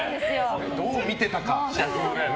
どう見ていたか。